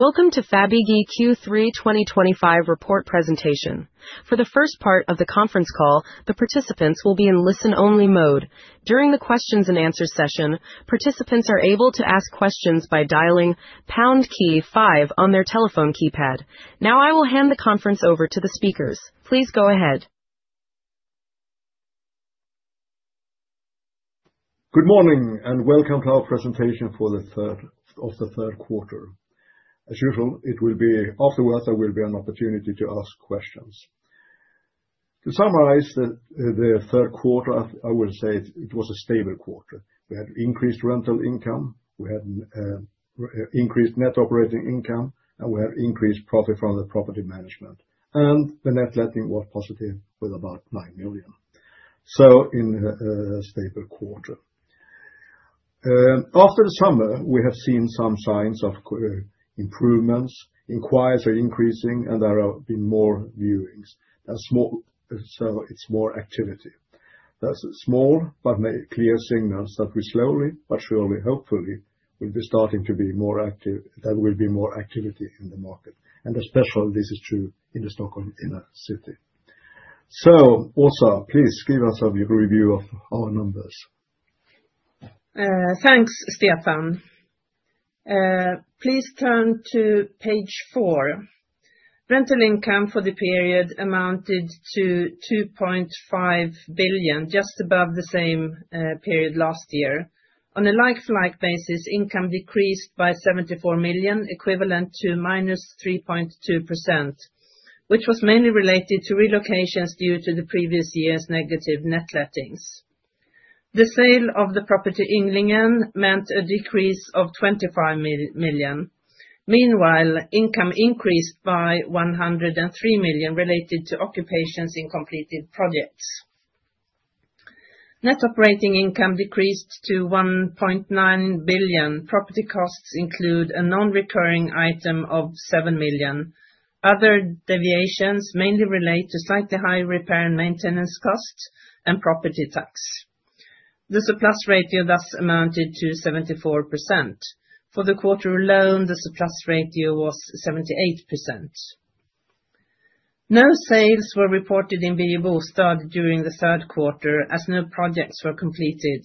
Welcome to Fabege Q3 2025 report presentation. For the first part of the conference call, the participants will be in listen-only mode. During the Q&A session, participants are able to ask questions by dialing #5 on their telephone keypad. Now I will hand the conference over to the speakers. Please go ahead. Good morning, and welcome to our presentation for the third quarter. As usual, it will be. Afterwards there will be an opportunity to ask questions. To summarize the third quarter, I will say it was a stable quarter. We had increased rental income, we had increased net operating income, and we had increased profit from the property management, and the net letting was positive with about 9 million. So, in a stable quarter. After the summer, we have seen some signs of improvements. Inquiries are increasing, and there have been more viewings. That's small, so it's more activity. That's small, but clear signals that we slowly, but surely, hopefully, will be starting to be more active, that there will be more activity in the market, and especially this is true in the Stockholm inner city. So, Åsa, please give us a review of our numbers. Thanks, Stefan. Please turn to page four. Rental income for the period amounted to 2.5 billion, just above the same period last year. On a like-for-like basis, income decreased by 74 million, equivalent to minus 3.2%, which was mainly related to relocations due to the previous year's negative net lettings. The sale of the property in Ynglingen meant a decrease of 25 million. Meanwhile, income increased by 103 million, related to occupations in completed projects. Net operating income decreased to 1.9 billion. Property costs include a non-recurring item of 7 million. Other deviations mainly relate to slightly higher repair and maintenance costs and property tax. The surplus ratio thus amounted to 74%. For the quarter-long, the surplus ratio was 78%. No sales were reported in Birger Bostad during the third quarter, as no projects were completed.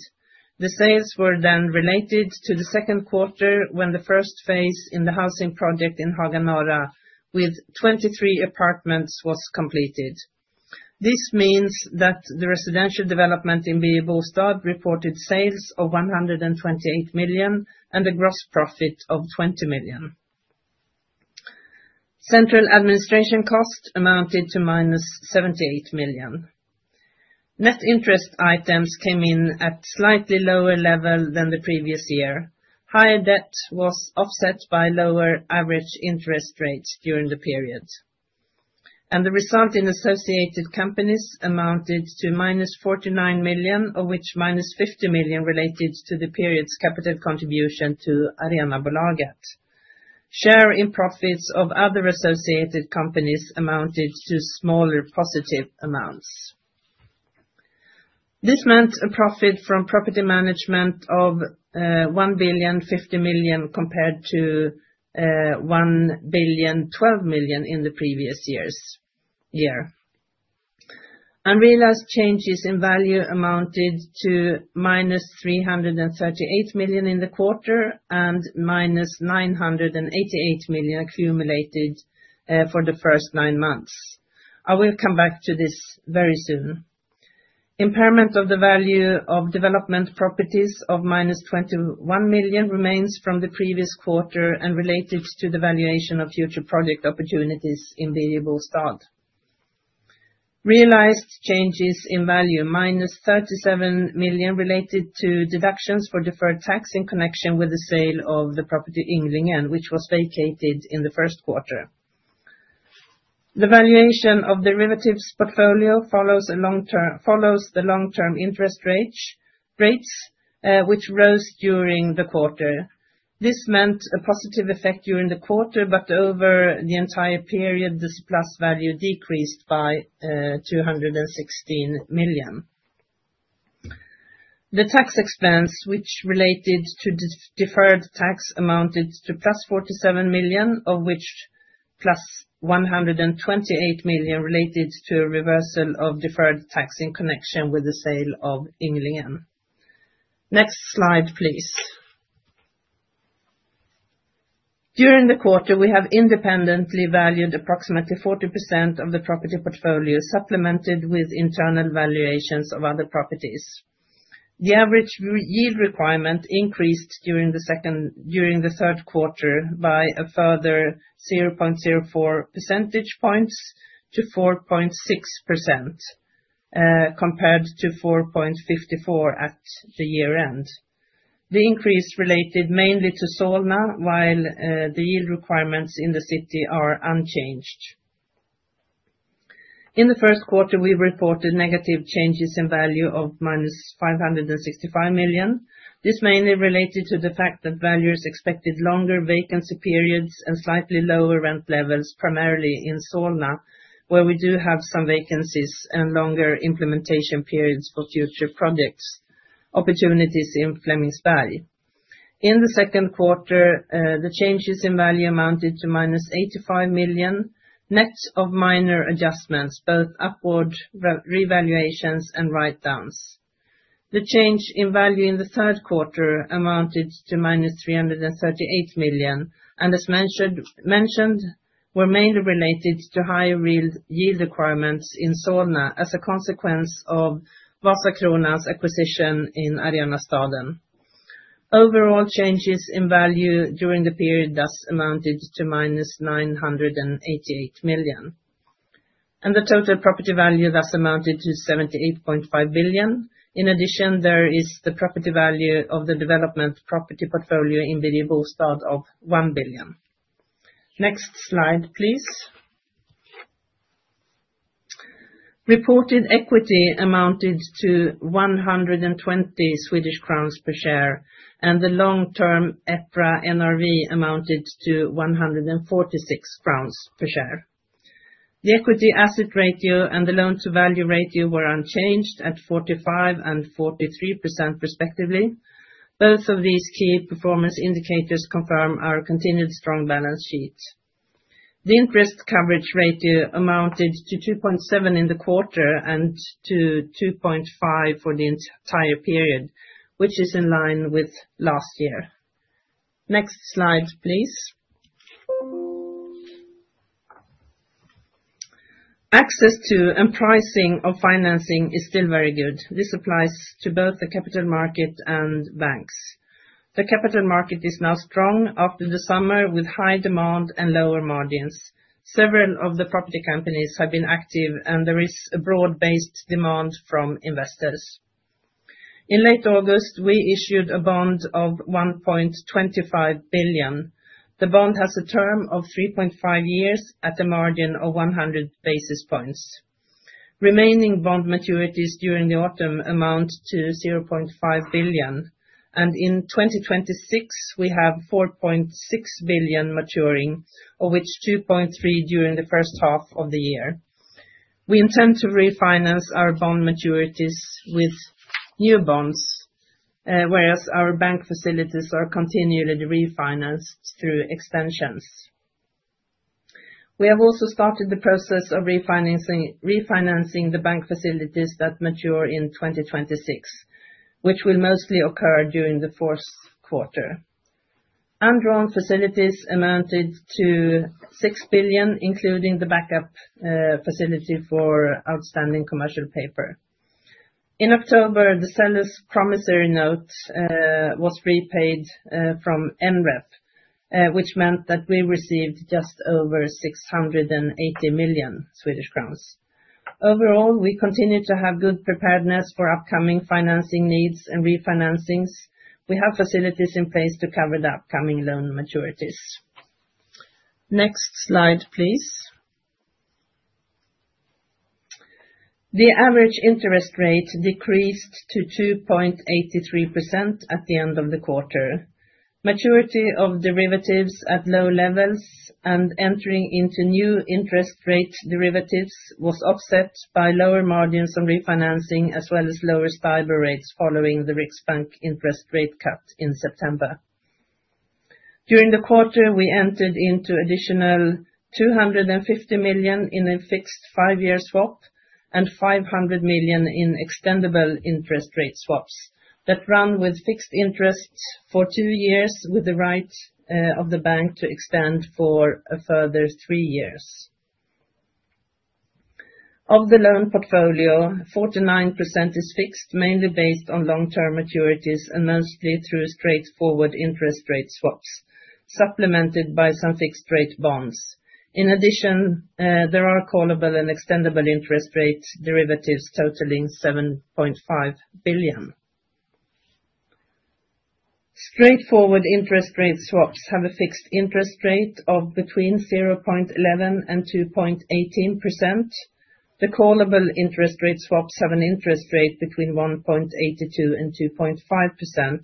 The sales were then related to the second quarter, when the first phase in the housing project in Haga Norra, with 23 apartments, was completed. This means that the residential development in Birger Bostad reported sales of 128 million and a gross profit of 20 million. Central administration costs amounted to minus 78 million. Net interest items came in at a slightly lower level than the previous year. Higher debt was offset by lower average interest rates during the period, and the result in associated companies amounted to minus 49 million, of which minus 50 million related to the period's capital contribution to Arenabolaget. Share in profits of other associated companies amounted to smaller positive amounts. This meant a profit from property management of 1 billion, 50 million, compared to 1 billion, 12 million in the previous year. Unrealized changes in value amounted to minus 338 million in the quarter and minus 988 million accumulated for the first nine months. I will come back to this very soon. Impairment of the value of development properties of minus 21 million remains from the previous quarter and related to the valuation of future project opportunities in Birger Bostad. Realized changes in value: minus 37 million related to deductions for deferred tax in connection with the sale of the property in Ynglingen, which was vacated in the first quarter. The valuation of derivatives portfolio follows the long-term interest rates, which rose during the quarter. This meant a positive effect during the quarter, but over the entire period, the surplus value decreased by 216 million. The tax expense, which related to deferred tax, amounted to plus 47 million, of which plus 128 million related to a reversal of deferred tax in connection with the sale of Ynglingen. Next slide, please. During the quarter, we have independently valued approximately 40% of the property portfolio, supplemented with internal valuations of other properties. The average yield requirement increased during the third quarter by a further 0.04 percentage points to 4.6%, compared to 4.54% at the year-end. The increase related mainly to Solna, while the yield requirements in the city are unchanged. In the first quarter, we reported negative changes in value of minus 565 million. This mainly related to the fact that values expected longer vacancy periods and slightly lower rent levels, primarily in Solna, where we do have some vacancies and longer implementation periods for future project opportunities in Flemingsberg. In the second quarter, the changes in value amounted to minus 85 million, net of minor adjustments, both upward revaluations and write-downs. The change in value in the third quarter amounted to minus 338 million, and as mentioned, were mainly related to higher yield requirements in Solna as a consequence of Vasakronan's acquisition in Arenastaden. Overall changes in value during the period thus amounted to minus 988 million. The total property value thus amounted to 78.5 billion. In addition, there is the property value of the development property portfolio in Birger Bostad of 1 billion. Next slide, please. Reported equity amounted to 120 Swedish crowns per share, and the long-term EPRA NRV amounted to 146 crowns per share. The equity-asset ratio and the loan-to-value ratio were unchanged at 45% and 43%, respectively. Both of these key performance indicators confirm our continued strong balance sheet. The interest coverage ratio amounted to 2.7 in the quarter and to 2.5 for the entire period, which is in line with last year. Next slide, please. Access to and pricing of financing is still very good. This applies to both the capital market and banks. The capital market is now strong after the summer, with high demand and lower margins. Several of the property companies have been active, and there is a broad-based demand from investors. In late August, we issued a bond of 1.25 billion. The bond has a term of 3.5 years at a margin of 100 basis points. Remaining bond maturities during the autumn amount to 0.5 billion, and in 2026, we have 4.6 billion maturing, of which 2.3 during the first half of the year. We intend to refinance our bond maturities with new bonds, whereas our bank facilities are continually refinanced through extensions. We have also started the process of refinancing the bank facilities that mature in 2026, which will mostly occur during the fourth quarter. Undrawn facilities amounted to 6 billion, including the backup facility for outstanding commercial paper. In October, the seller's promissory note was repaid from NREP, which meant that we received just over 680 million Swedish crowns. Overall, we continue to have good preparedness for upcoming financing needs and refinancings. We have facilities in place to cover the upcoming loan maturities. Next slide, please. The average interest rate decreased to 2.83% at the end of the quarter. Maturity of derivatives at low levels and entering into new interest rate derivatives was offset by lower margins on refinancing, as well as lower STIBOR rates following the Riksbank interest rate cut in September. During the quarter, we entered into additional 250 million in a fixed five-year swap and 500 million in extendable interest rate swaps that run with fixed interest for two years, with the right of the bank to extend for a further three years. Of the loan portfolio, 49% is fixed, mainly based on long-term maturities and mostly through straightforward interest rate swaps, supplemented by some fixed-rate bonds. In addition, there are callable and extendable interest rate derivatives totaling SEK 7.5 billion. Straightforward interest rate swaps have a fixed interest rate of between 0.11% and 2.18%. The callable interest rate swaps have an interest rate between 1.82 and 2.5%,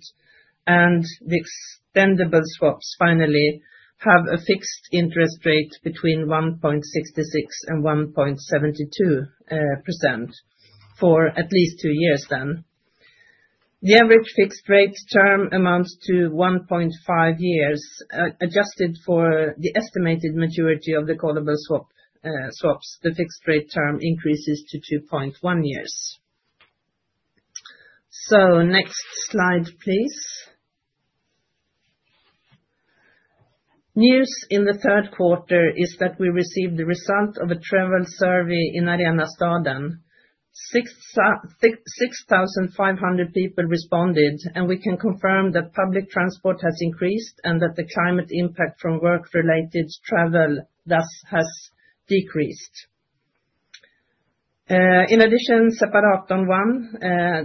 and the extendable swaps finally have a fixed interest rate between 1.66 and 1.72% for at least two years then. The average fixed rate term amounts to 1.5 years. Adjusted for the estimated maturity of the callable swaps, the fixed rate term increases to 2.1 years. So, next slide, please. News in the third quarter is that we received the result of a travel survey in Arenastaden. 6,500 people responded, and we can confirm that public transport has increased and that the climate impact from work-related travel thus has decreased. In addition, Separatorn 1,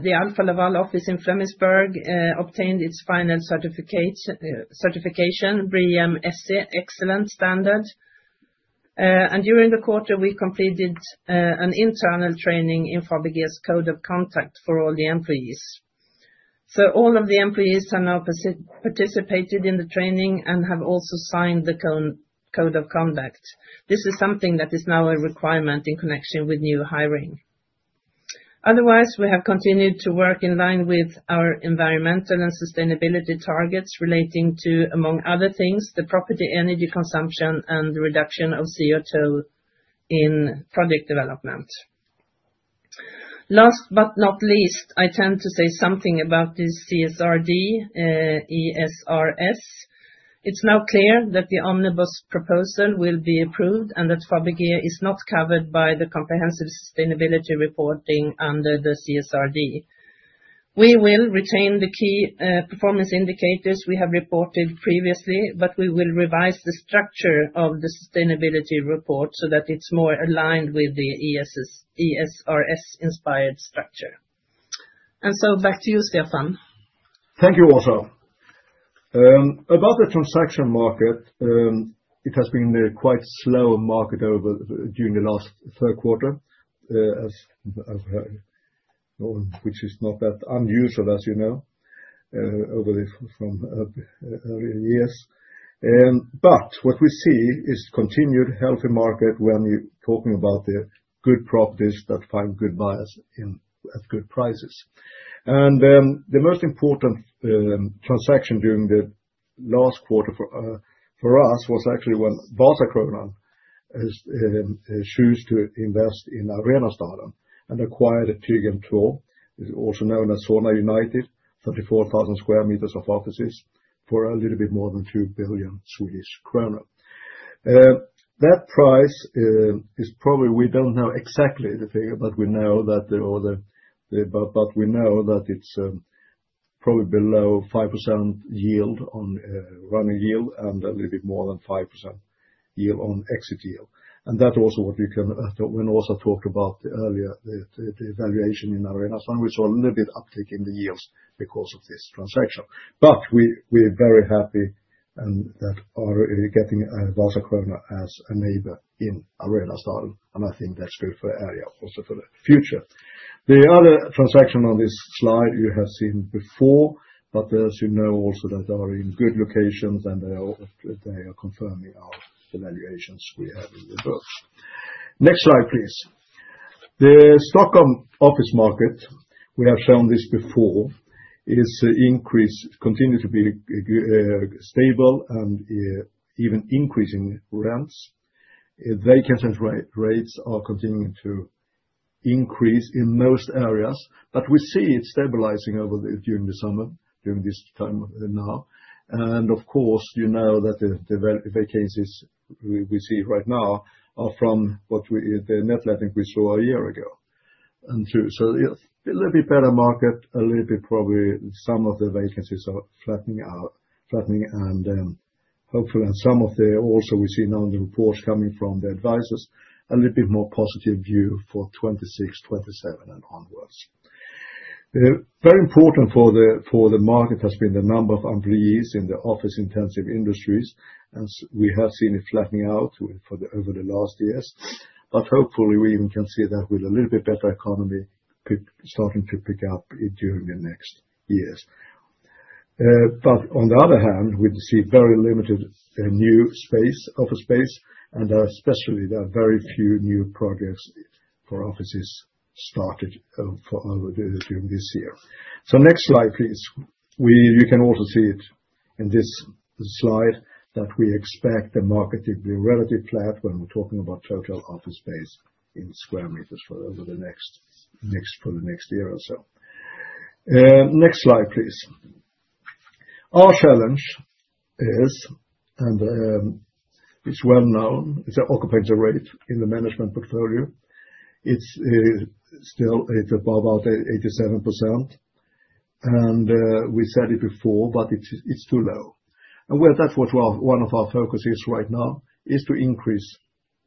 the Alfa Laval office in Flemingsberg, obtained its final certification, BREEAM Excellent Standard. And during the quarter, we completed an internal training in Fabege's code of conduct for all the employees. So, all of the employees have now participated in the training and have also signed the code of conduct. This is something that is now a requirement in connection with new hiring. Otherwise, we have continued to work in line with our environmental and sustainability targets relating to, among other things, the property energy consumption and reduction of CO2 in project development. Last but not least, I tend to say something about the CSRD, ESRS. It's now clear that the omnibus proposal will be approved and that Fabege is not covered by the comprehensive sustainability reporting under the CSRD. We will retain the key performance indicators we have reported previously, but we will revise the structure of the sustainability report so that it's more aligned with the ESRS-inspired structure. And so, back to you, Stefan. Thank you, Åsa. About the transaction market, it has been a quite slow market over during the last third quarter, which is not that unusual, as you know, over the earlier years. But what we see is continued healthy market when you're talking about the good properties that find good buyers at good prices. And the most important transaction during the last quarter for us was actually when Vasakronan has chosen to invest in Arenastaden and acquired Telegrafen, also known as Solna United, 34,000 square meters of offices for a little bit more than 2 billion Swedish kronor. That price is probably we don't know exactly the figure, but we know that it's probably below 5% yield on running yield and a little bit more than 5% yield on exit yield. And that's also what you can when Åsa talked about earlier, the valuation in Arenastaden, we saw a little bit of uptake in the yields because of this transaction. But we're very happy that we're getting Vasakronan as a neighbor in Arenastaden, and I think that's good for the area, also for the future. The other transaction on this slide you have seen before, but as you know also that they are in good locations and they are confirming our valuations we have in the books. Next slide, please. The Stockholm office market, we have shown this before, is increased, continues to be stable and even increasing rents. Vacancies and rates are continuing to increase in most areas, but we see it stabilizing over during the summer, during this time now. And of course, you know that the vacancies we see right now are from the net letting we saw a year ago. And so, a little bit better market, a little bit probably some of the vacancies are flattening and hopeful, and some of the also we see now in the reports coming from the advisors, a little bit more positive view for 2026, 2027, and onwards. Very important for the market has been the number of employees in the office-intensive industries, and we have seen it flattening out over the last years. But hopefully, we even can see that with a little bit better economy starting to pick up during the next years. But on the other hand, we see very limited new space, office space, and especially there are very few new projects for offices started during this year. So, next slide, please. You can also see it in this slide that we expect the market to be relatively flat when we're talking about total office space in square meters for the next year or so. Next slide, please. Our challenge is, and it's well known, it's an occupancy rate in the management portfolio. It's still about 87%, and we said it before, but it's too low, and that's what one of our focuses right now is to increase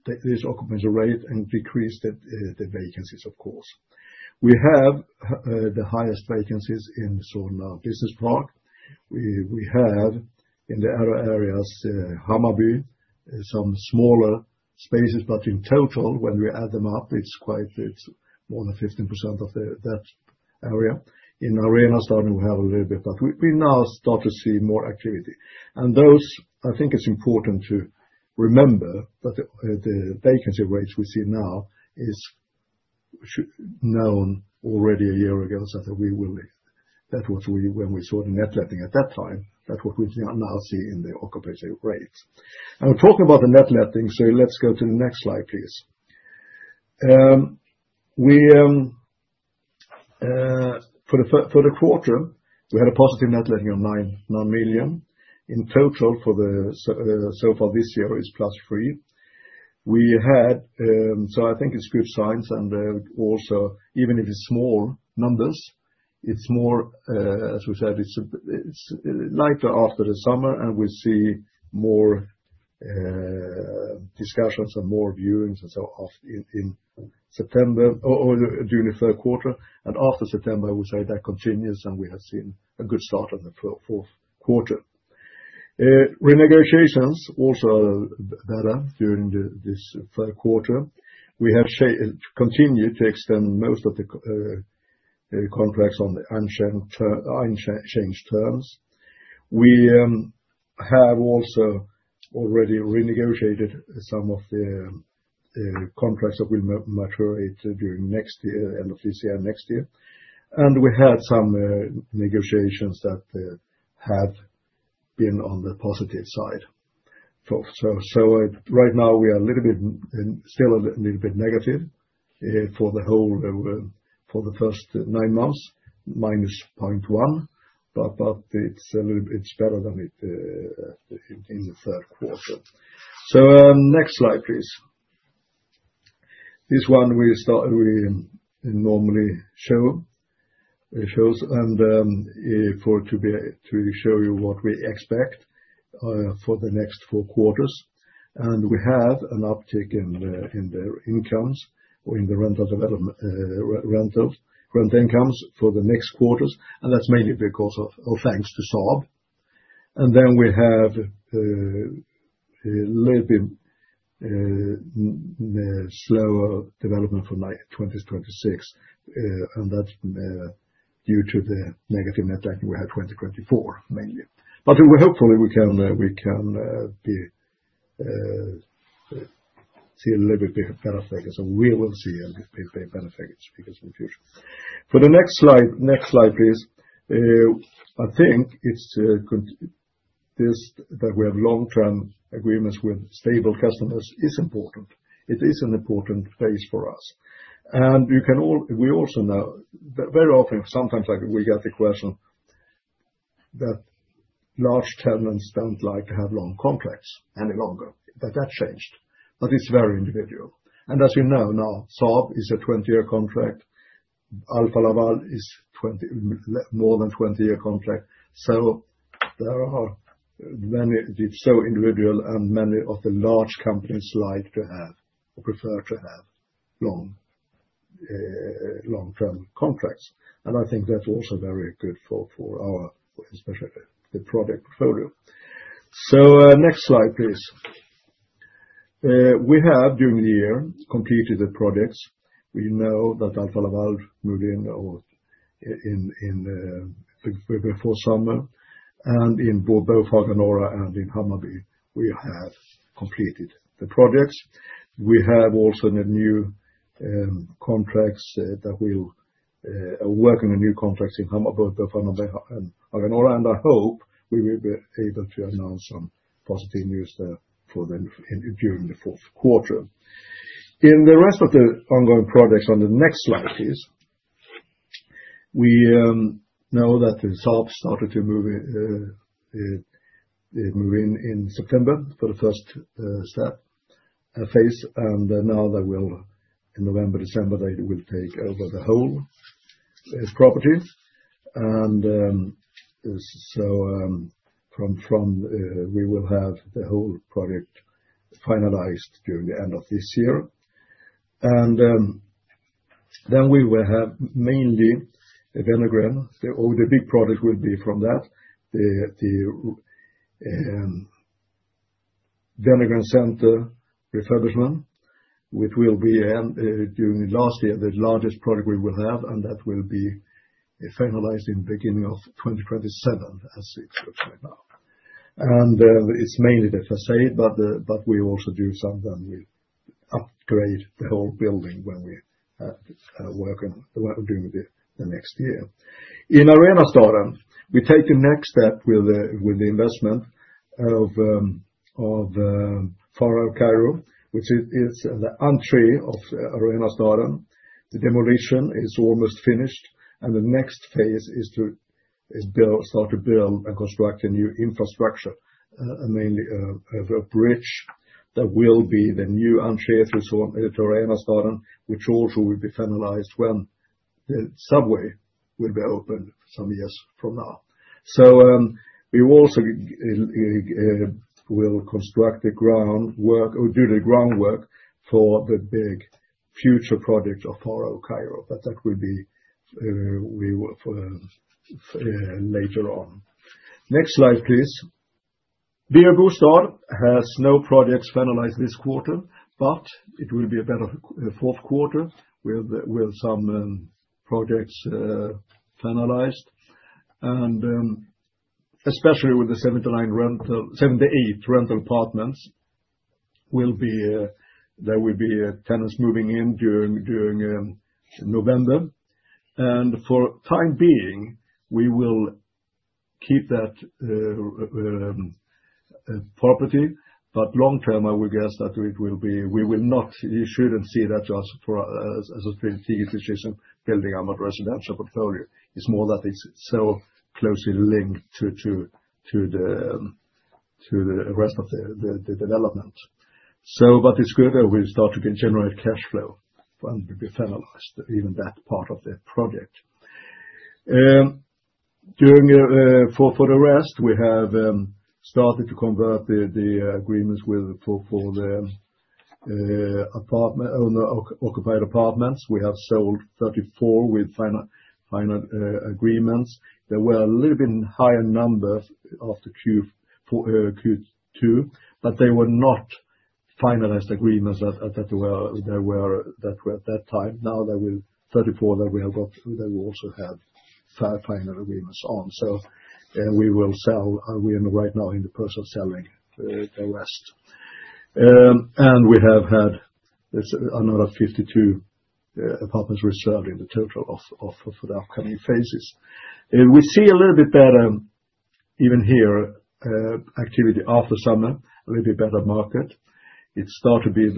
this occupancy rate and decrease the vacancies, of course. We have the highest vacancies in Solna Business Park. We have in the other areas, Hammarby, some smaller spaces, but in total, when we add them up, it's more than 15% of that area. In Arenastaden, we have a little bit, but we now start to see more activity. And those, I think it's important to remember that the vacancy rates we see now is known already a year ago, so that we will, that was when we saw the net letting at that time, that's what we now see in the occupation rates. Talking about the net letting, so let's go to the next slide, please. For the quarter, we had a positive net letting of 9 million. In total, so far this year, it's plus three. We had, so I think it's good signs, and also, even if it's small numbers, it's more, as we said, it's lighter after the summer, and we see more discussions and more viewings and so on in September or during the third quarter. After September, we say that continues, and we have seen a good start on the fourth quarter. Renegotiations also are better during this third quarter. We have continued to extend most of the contracts on unchanged terms. We have also already renegotiated some of the contracts that will mature during the end of this year and next year. And we had some negotiations that have been on the positive side. So right now, we are still a little bit negative for the first nine months, minus 0.1, but it's better than in the third quarter. So, next slide, please. This one we normally show, and to show you what we expect for the next four quarters. And we have an uptick in the incomes or in the rental incomes for the next quarters, and that's mainly because of thanks to Saab. And then we have a little bit slower development for 2026, and that's due to the negative net letting we had 2024, mainly. But hopefully, we can see a little bit better figures, and we will see a little bit better figures in the future. For the next slide, please. I think that we have long-term agreements with stable customers is important. It is an important phase for us. And we also know very often, sometimes we get the question that large tenants don't like to have long contracts any longer. That changed, but it's very individual. And as you know now, Saab is a 20-year contract. Alfa Laval is more than a 20-year contract. So it's so individual, and many of the large companies like to have or prefer to have long-term contracts. And I think that's also very good for our, especially the project portfolio. So, next slide, please. We have, during the year, completed the projects. We know that Alfa Laval moved in before summer, and in both Haga Norra and in Hammarby, we have completed the projects. We have also the new contracts that we're working on, new contracts in Hammarby, both Haga Norra and I hope we will be able to announce some positive news there for them during the fourth quarter. In the rest of the ongoing projects on the next slide, please. We know that the Saab started to move in in September for the first step phase, and now, in November, December, they will take over the whole property. And so we will have the whole project finalized during the end of this year. And then we will have mainly the Wenner-Gren Center, or the big project will be from that, the Wenner-Gren Center refurbishment, which will be during last year, the largest project we will have, and that will be finalized in the beginning of 2027, as it looks like now. And it's mainly the facade, but we also do some, then we upgrade the whole building when we work on during the next year. In Arenastaden, we take the next step with the investment of Farao, which is the entry of Arenastaden. The demolition is almost finished, and the next phase is to start to build and construct a new infrastructure, mainly a bridge that will be the new entry to Arenastaden, which also will be finalized when the subway will be opened some years from now. So we also will construct the groundwork or do the groundwork for the big future project of Farao, but that will be later on. Next slide, please. Birger Bostad has no projects finalized this quarter, but it will be a better fourth quarter with some projects finalized. And especially with the 78 rental apartments, there will be tenants moving in during November. And for the time being, we will keep that property, but long term, I would guess that we will not. You shouldn't see that just as a strategic decision. Building our residential portfolio. It's more that it's so closely linked to the rest of the development. But it's good that we start to generate cash flow and be finalized even that part of the project. For the rest, we have started to convert the agreements for the occupied apartments. We have sold 34 with final agreements. There were a little bit higher numbers after Q2, but they were not finalized agreements that were at that time. Now there will be 34 that we have got that we also have final agreements on, so we will sell. We are right now in the process of selling the rest, and we have had another 52 apartments reserved in the total of the upcoming phases. We see a little bit better, even here, activity after summer, a little bit better market. It's started to be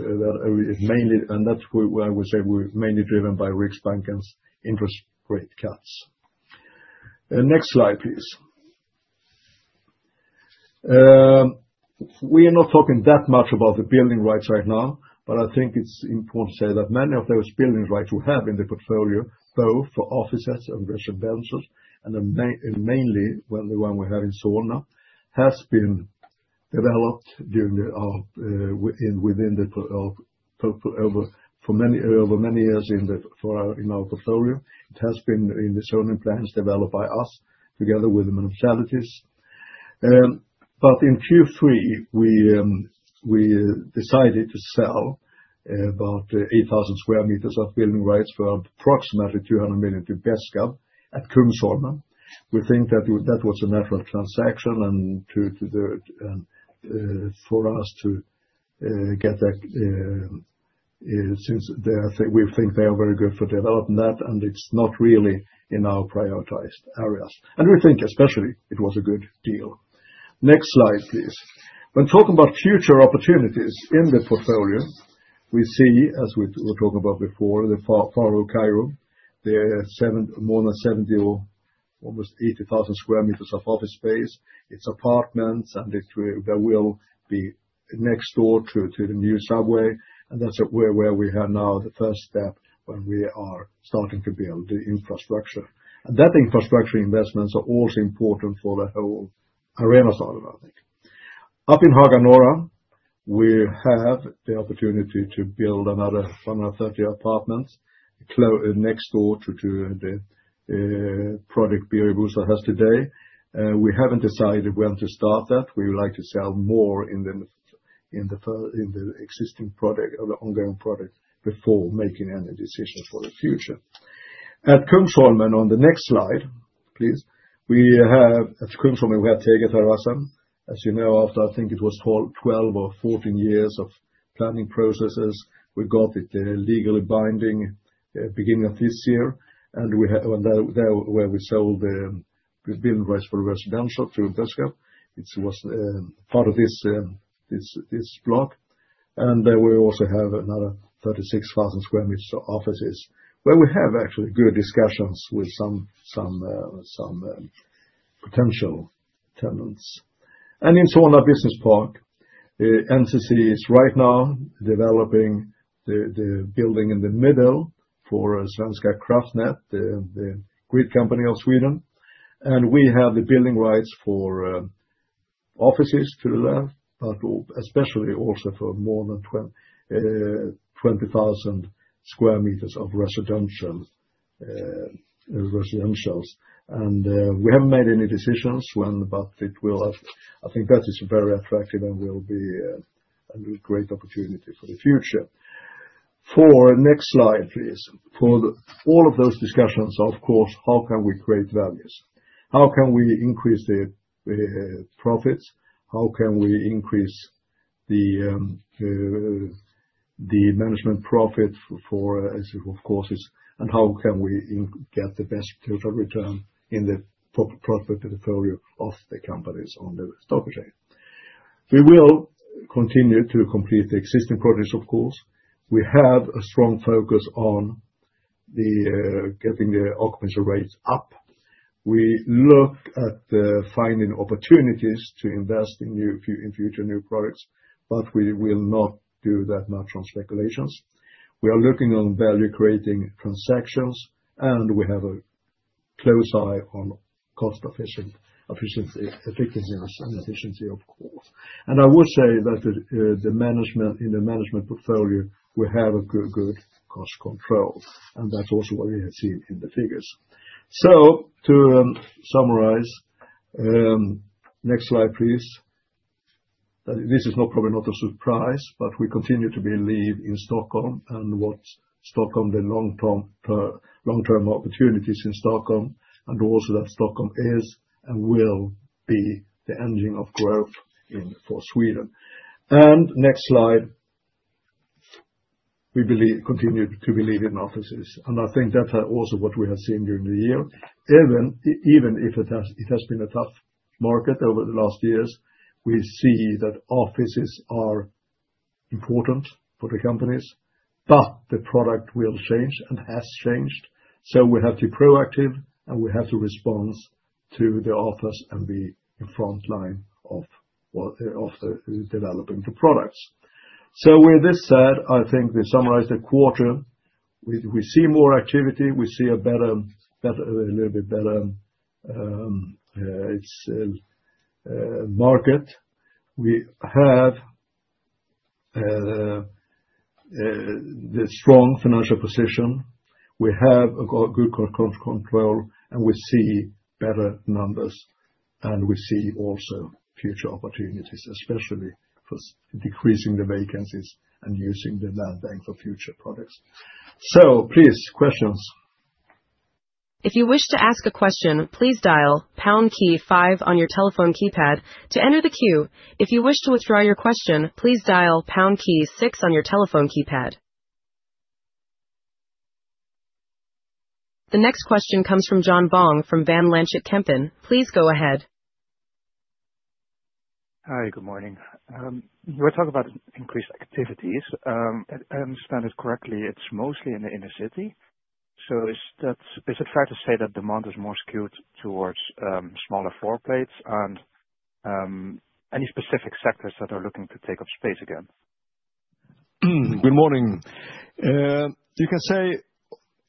mainly, and that's why I would say we're mainly driven by Riksbank's interest rate cuts. Next slide, please. We are not talking that much about the building rights right now, but I think it's important to say that many of those building rights we have in the portfolio, both for offices and residential, and mainly when we have in Solna, has been developed within the over many years in our portfolio. It has been in the zoning plans developed by us together with the municipalities. But in Q3, we decided to sell about 8,000 square meters of building rights for approximately 200 million to Besqab at Solna. We think that was a natural transaction for us to get that since we think they are very good for developing that, and it's not really in our prioritized areas. And we think especially it was a good deal. Next slide, please. When talking about future opportunities in the portfolio, we see, as we were talking about before, the Farao, more than 70, almost 80,000 square meters of office space. It's apartments, and there will be next door to the new subway, and that's where we have now the first step when we are starting to build the infrastructure, and that infrastructure investments are also important for the whole Arenastaden, I think. Up in Haga Norra, we have the opportunity to build another 130 apartments next door to the project Birger Bostad has today. We haven't decided when to start that. We would like to sell more in the existing project or the ongoing project before making any decision for the future. At Solna, on the next slide, please, we have at Solna, we have Tegelhagen. As you know, after I think it was 12 or 14 years of planning processes, we got it legally binding at the beginning of this year, and there, where we sold the building rights for residential to Besqab, it was part of this block, and we also have another 36,000 square meters of offices where we have actually good discussions with some potential tenants, and in Solna Business Park, NCC is right now developing the building in the middle for Svenska Kraftnät, the grid company of Sweden, and we have the building rights for offices to the left, but especially also for more than 20,000 square meters of residential, and we haven't made any decisions when, but I think that is very attractive and will be a great opportunity for the future. For the next slide, please. For all of those discussions, of course, how can we create values? How can we increase the profits? How can we increase the management profit for offices? And how can we get the best total return in the property portfolio of the companies on the stock exchange? We will continue to complete the existing projects, of course. We have a strong focus on getting the occupation rates up. We look at finding opportunities to invest in future new projects, but we will not do that much on speculations. We are looking on value-creating transactions, and we have a close eye on cost efficiency and efficiency, of course, and I would say that in the management portfolio, we have good cost control, and that's also what we have seen in the figures, so to summarize, next slide, please. This is probably not a surprise, but we continue to believe in Stockholm and what Stockholm's long-term opportunities in Stockholm, and also that Stockholm is and will be the engine of growth for Sweden. And next slide. We continue to believe in offices, and I think that's also what we have seen during the year. Even if it has been a tough market over the last years, we see that offices are important for the companies, but the product will change and has changed. So we have to be proactive, and we have to respond to the offers and be in front line of developing the products. So with this said, I think to summarize the quarter, we see more activity. We see a little bit better market. We have the strong financial position. We have good control, and we see better numbers, and we see also future opportunities, especially for decreasing the vacancies and using the land bank for future projects. So please, questions. If you wish to ask a question, please dial pound key 5 on your telephone keypad to enter the queue. If you wish to withdraw your question, please dial pound key 6 on your telephone keypad. The next question comes from John Vuong from Van Lanschot Kempen. Please go ahead. Hi, good morning. We're talking about increased activities. I understand it correctly, it's mostly in the inner city. So is it fair to say that demand is more skewed towards smaller floor plates and any specific sectors that are looking to take up space again? Good morning. You can say,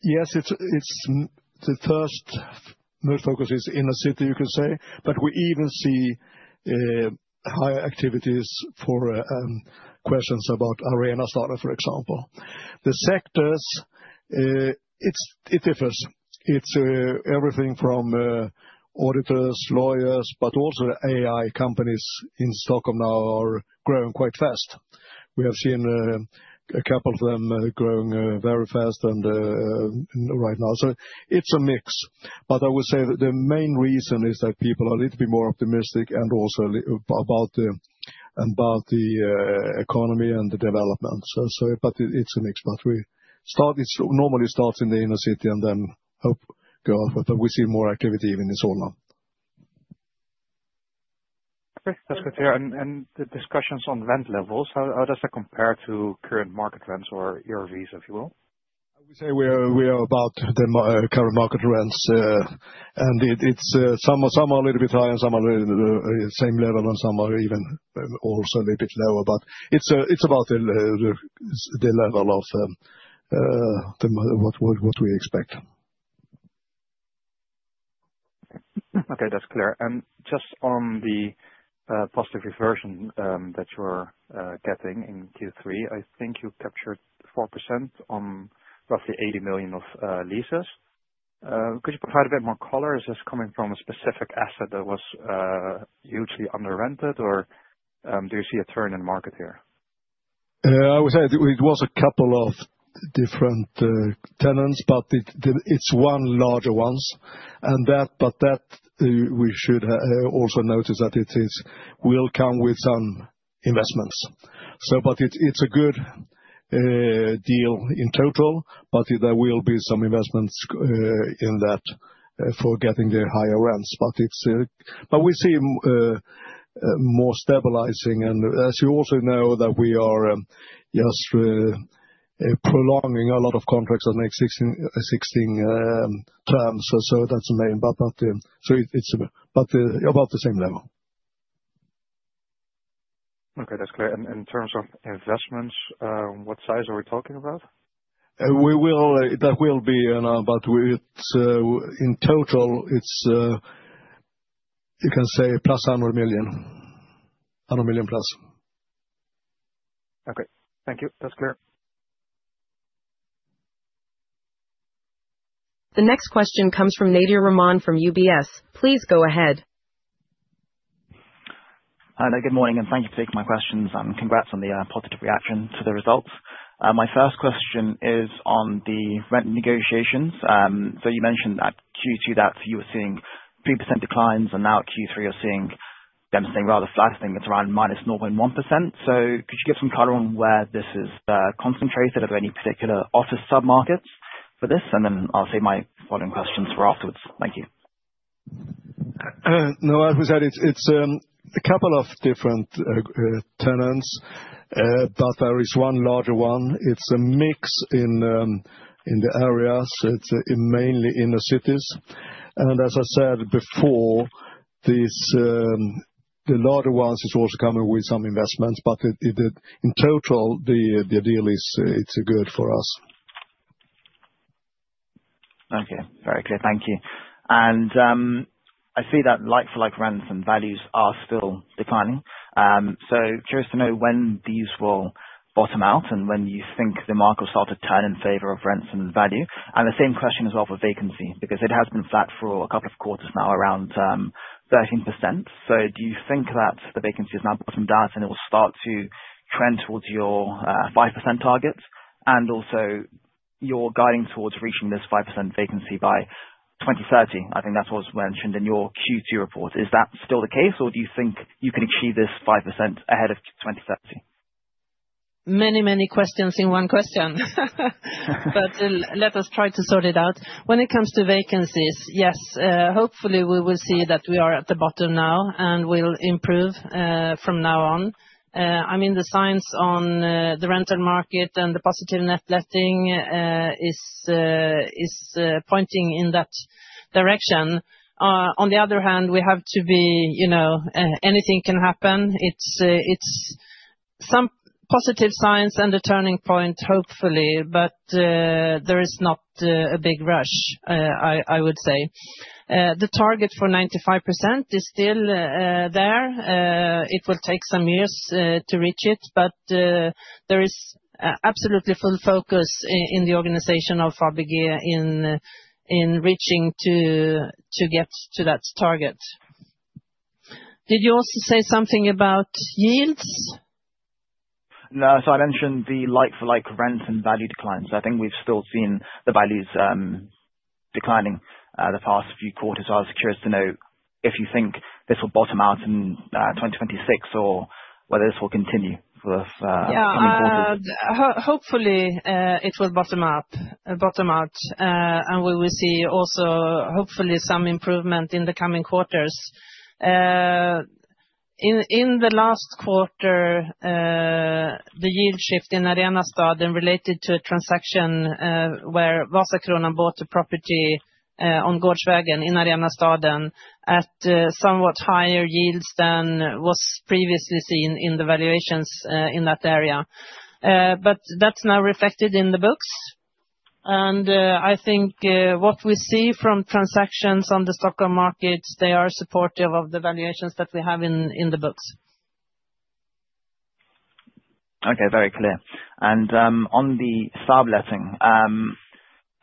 yes, it's the first most focus is inner city, you can say, but we even see higher activities for questions about Arenastaden, for example. The sectors, it differs. It's everything from auditors, lawyers, but also the AI companies in Stockholm now are growing quite fast. We have seen a couple of them growing very fast right now. So it's a mix. But I would say the main reason is that people are a little bit more optimistic and also about the economy and the development. But it's a mix. But it normally starts in the inner city and then goes up. But we see more activity even in Solna. That's good to hear. And the discussions on rent levels, how does that compare to current market rents or ERVs, if you will? I would say we are about the current market rents, and some are a little bit higher, some are the same level, and some are even also a little bit lower. But it's about the level of what we expect. Okay, that's clear. And just on the positive reversion that you're getting in Q3, I think you captured 4% on roughly 80 million of leases. Could you provide a bit more color? Is this coming from a specific asset that was hugely under-rented, or do you see a turn in the market here? I would say it was a couple of different tenants, but it's one larger one, but that we should also notice that it will come with some investments, but it's a good deal in total, but there will be some investments in that for getting the higher rents, but we see more stabilizing, and as you also know, that we are just prolonging a lot of contracts at 16 terms, so that's the main, but it's about the same level. Okay, that's clear. And in terms of investments, what size are we talking about? That will be around, but in total, you can say plus 100 million. 100 million plus. Okay. Thank you. That's clear. The next question comes from Nadir Rahman from UBS. Please go ahead. Hi, good morning, and thank you for taking my questions, and congrats on the positive reaction to the results. My first question is on the rent negotiations. So you mentioned that Q2, you were seeing 3% declines, and now Q3, you're seeing them staying rather flat. I think it's around minus 0.1%. So could you give some color on where this is concentrated? Are there any particular office sub-markets for this? And then I'll save my following questions for afterwards. Thank you. No, as I said, it's a couple of different tenants, but there is one larger one. It's a mix in the areas. It's mainly inner cities. And as I said before, the larger ones are also coming with some investments, but in total, the deal is good for us. Okay. Very clear. Thank you. And I see that like-for-like rents and values are still declining. So curious to know when these will bottom out and when you think the market will start to turn in favor of rents and value. And the same question as well for vacancy, because it has been flat for a couple of quarters now, around 13%. So do you think that the vacancy has now bottomed out and it will start to trend towards your 5% target and also you're guiding towards reaching this 5% vacancy by 2030? I think that was mentioned in your Q2 report. Is that still the case, or do you think you can achieve this 5% ahead of 2030? Many, many questions in one question, but let us try to sort it out. When it comes to vacancies, yes, hopefully we will see that we are at the bottom now, and we'll improve from now on. I mean, the signs on the rental market and the positive net letting is pointing in that direction. On the other hand, we have to be. Anything can happen. It's some positive signs and a turning point, hopefully, but there is not a big rush, I would say. The target for 95% is still there. It will take some years to reach it, but there is absolutely full focus in the organization of Fabege in reaching to get to that target. Did you also say something about yields? No. So I mentioned the like-for-like rents and value declines. I think we've still seen the values declining the past few quarters. I was curious to know if you think this will bottom out in 2026 or whether this will continue for the coming quarters. Yeah, hopefully it will bottom out, and we will see also hopefully some improvement in the coming quarters. In the last quarter, the yield shift in Arenastaden related to a transaction where Vasakronan bought a property on Gårdsvägen in Arenastaden at somewhat higher yields than was previously seen in the valuations in that area. But that's now reflected in the books. And I think what we see from transactions on the Stockholm market, they are supportive of the valuations that we have in the books. Okay, very clear. And on the Saab letting,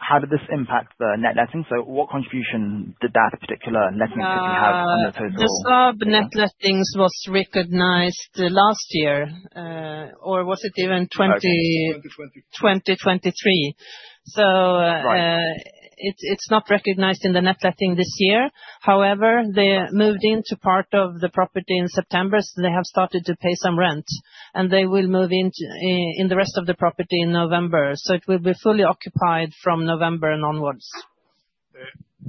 how did this impact the net letting? So what contribution did that particular letting have on the total? The Saab net lettings was recognized last year, or was it even 2023? 2023. So it's not recognized in the net letting this year. However, they moved into part of the property in September, so they have started to pay some rent, and they will move in the rest of the property in November. So it will be fully occupied from November onwards.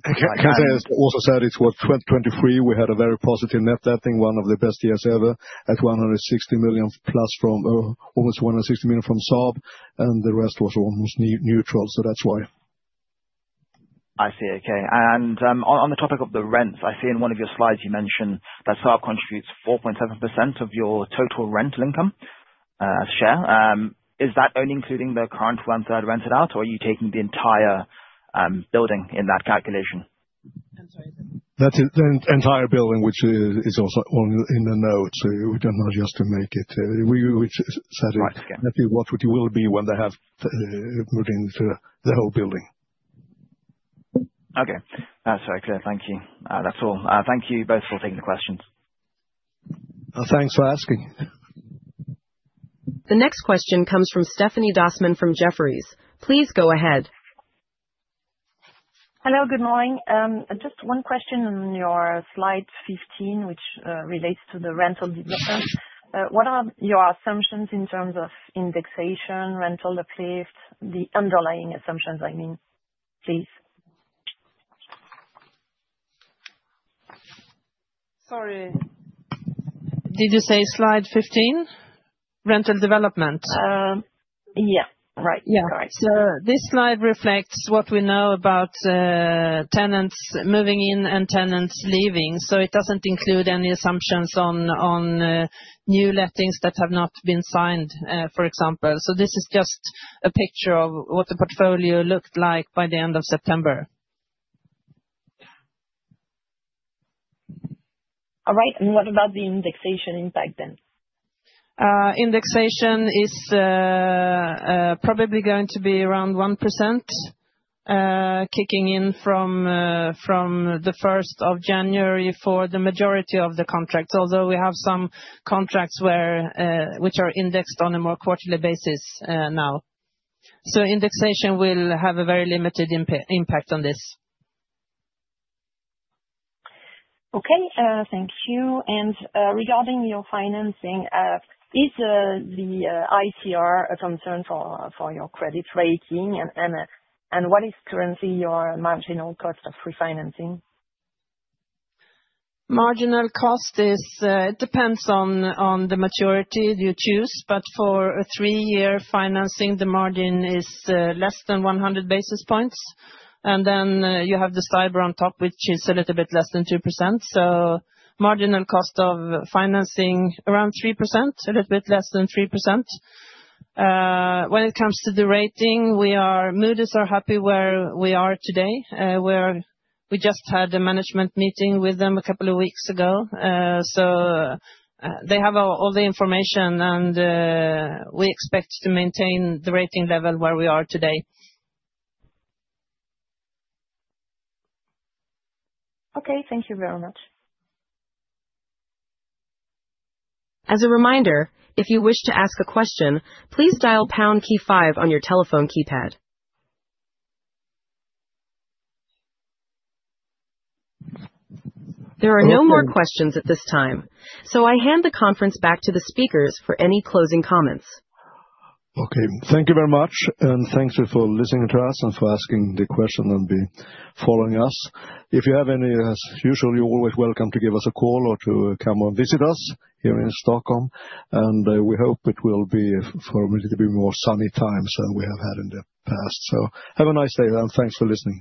I can say also sadly, towards 2023, we had a very positive net letting, one of the best years ever, at 160 million plus from almost 160 million from Saab, and the rest was almost neutral, so that's why. I see. Okay. And on the topic of the rents, I see in one of your slides you mentioned that Saab contributes 4.7% of your total rental income share. Is that only including the current one-third rented out, or are you taking the entire building in that calculation? That's the entire building, which is also in the notes. We can just make it. Right, okay. What it will be when they have moved into the whole building. Okay. That's very clear. Thank you. That's all. Thank you both for taking the questions. Thanks for asking. The next question comes from Stephanie Dossmann from Jefferies. Please go ahead. Hello, good morning. Just one question on your slide 15, which relates to the rental development. What are your assumptions in terms of indexation, rental uplift, the underlying assumptions, I mean, please? Sorry. Did you say slide 15? Rental development? Yeah, right. Yeah. Correct. This slide reflects what we know about tenants moving in and tenants leaving. It doesn't include any assumptions on new lettings that have not been signed, for example. This is just a picture of what the portfolio looked like by the end of September. All right. And what about the indexation impact then? Indexation is probably going to be around 1%, kicking in from the 1st of January for the majority of the contracts, although we have some contracts which are indexed on a more quarterly basis now. So indexation will have a very limited impact on this. Okay. Thank you. And regarding your financing, is the ICR a concern for your credit rating? And what is currently your marginal cost of refinancing? Marginal cost, it depends on the maturity you choose, but for a three-year financing, the margin is less than 100 basis points, and then you have the STIBOR on top, which is a little bit less than 2%, so marginal cost of financing around 3%, a little bit less than 3%. When it comes to the rating, Moody's are happy where we are today. We just had a management meeting with them a couple of weeks ago, so they have all the information, and we expect to maintain the rating level where we are today. Okay. Thank you very much. As a reminder, if you wish to ask a question, please dial pound key 5 on your telephone keypad. There are no more questions at this time, so I hand the conference back to the speakers for any closing comments. Okay. Thank you very much, and thank you for listening to us and for asking the question and following us. If you have any, as usual, you're always welcome to give us a call or to come and visit us here in Stockholm, and we hope it will be a more sunny time than we have had in the past, so have a nice day, and thanks for listening.